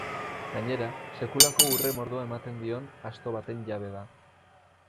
Gainera, sekulako urre mordoa ematen dion asto baten jabe da.